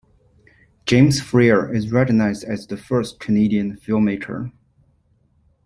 James Freer is recognized as the first Canadian filmmaker.